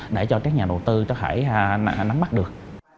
để cho các nhà đầu tư có thể nắm bắt được